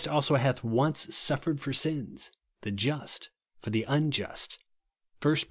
76 also hatli once suffered for sins, the just for the imJList," (1 Pet.